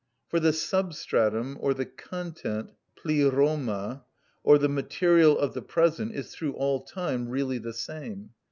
(29) For the substratum, or the content, πληρωμα, or the material of the present, is through all time really the same.